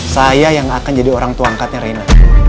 saya yang akan jadi orang tua angkatnya rena